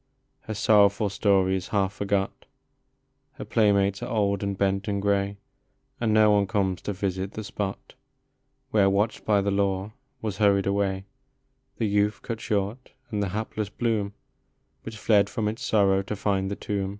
Her sorrowful story is half forgot, Her playmates are old and bent and gray, And no one comes to visit the spot Where, watched by the law, was hurried away The youth cut short, and the hapless bloom Which fled from its sorrow to find the tomb.